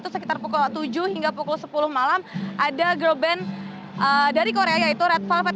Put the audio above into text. sekitar pukul tujuh hingga pukul sepuluh malam ada girl band dari korea yaitu red velvet